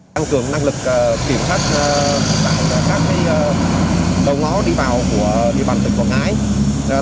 tăng cường năng lực kiểm soát tại các đồ ngó đi vào của địa phận quảng ngãi